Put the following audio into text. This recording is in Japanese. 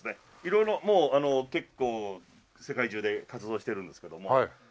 色々もう結構世界中で活動してるんですけども。